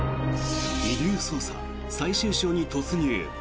「遺留捜査」最終章に突入！